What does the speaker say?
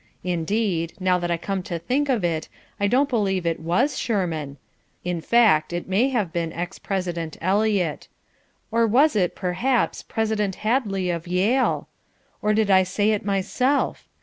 Indeed now that I come to think of it, I don't believe it WAS Shurman. In fact it may have been ex President Eliot. Or was it, perhaps, President Hadley of Yale? Or did I say it myself?